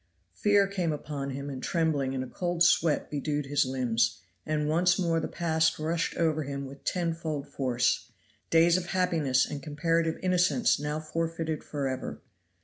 Fear came upon him, and trembling and a cold sweat bedewed his limbs; and once more the past rushed over him with tenfold force; days of happiness and comparative innocence now forfeited forever.